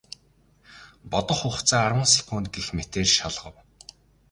Бодох хугацаа арван секунд гэх мэтээр шалгав.